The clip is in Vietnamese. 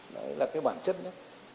đó là cái bản chất nhất